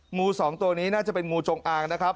งูสองตัวนี้น่าจะเป็นงูจงอางนะครับ